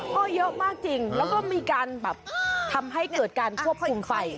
ก็เยอะมากจริงแล้วก็มีการแบบทำให้เกิดการควบคุมไฟ